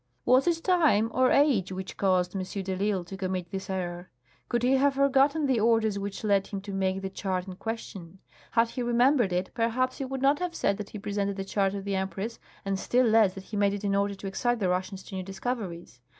Was it time or age which caused M. de risle to commit this error ? Could he have forgotten the orders which led him to make the chart in question ? Had he remembered it, perhaps he would not have said that he presented the chart to tlie Empress, and still less that he made it in order to excite the Russians to new dis coveries.